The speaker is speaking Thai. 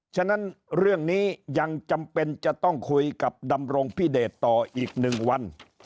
ฉะนั้นเรื่องนี้ยังจำเป็นจะต้องคุยกับดำรงพิเดชต่ออีก๑วัน